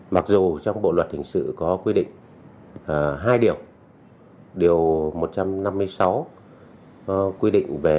mặc dù trong bộ luật hình sự có quy định